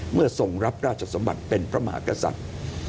ทรงรับราชสมบัติเป็นพระมหากษัตริย์